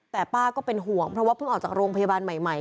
แต่ป้าก็เป็นห่วงเพราะว่าเพิ่งออกจากโรงพยาบาลใหม่